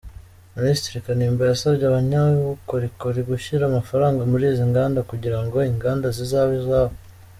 Minisitiri Kanimba yasabye abanyabukorikori gushyira amafaranga muri izi nganda kugira ngo inganda zizabe izabo.